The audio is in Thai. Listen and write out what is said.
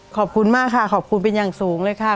ขอบคุณมากค่ะขอบคุณเป็นอย่างสูงเลยค่ะ